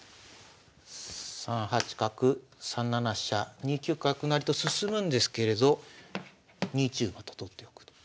３八角３七飛車２九角成と進むんですけれど２一馬と取っておくと。